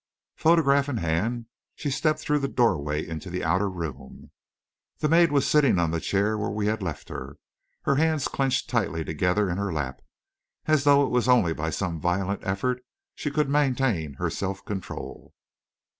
Photograph in hand, she stepped through the doorway into the outer room. The maid was sitting on the chair where we had left her; her hands clenched tightly together in her lap, as though it was only by some violent effort she could maintain her self control.